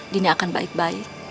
dini akan baik baik